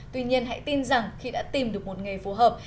tuy nhiên hãy tin rằng khi đã tìm được một nghề phù hợp